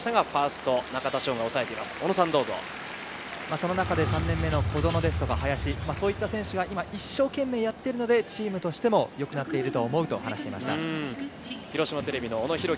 その中で３年目の小園、林、そういった選手が今、一生懸命やってるので、チームとしても良くなってると思うと話していました。